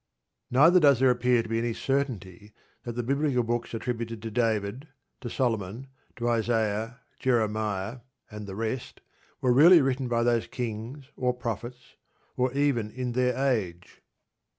Neither does there appear to be any certainty that the biblical books attributed to David, to Solomon, to Isaiah, Jeremiah, and the rest were really written by those kings or prophets, or even in their age.